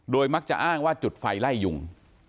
มักจะอ้างว่าจุดไฟไล่ยุง